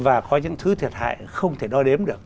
và có những thứ thiệt hại không thể đo đếm được